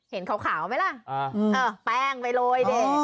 เห็นขาวไหมล่ะแป้งไปโรยดิ